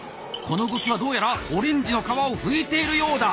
この動きはどうやらオレンジの皮を拭いているようだ。